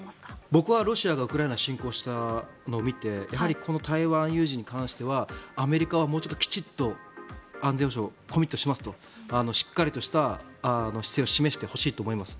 僕はロシアがウクライナ侵攻したのを見てやはりこの台湾有事に関してはアメリカはもうちょっときちんと安全保障にコミットしますとしっかりとした姿勢を示してほしいと思います。